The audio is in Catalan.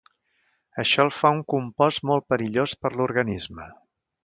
Això el fa un compost molt perillós per l'organisme.